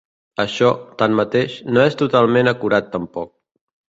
Això, tanmateix, no és totalment acurat tampoc.